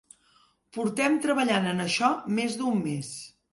Portem treballant en això més d'un mes.